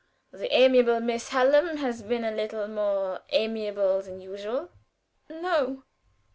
The amiable Miss Hallam has been a little more amiable than usual." "No."